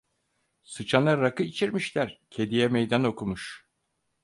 Sıçana rakı içirmişler, kediye meydan okumuş.